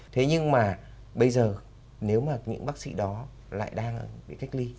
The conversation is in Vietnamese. thế nhưng mà bây giờ nếu mà những bác sĩ đó lại đang bị cách ly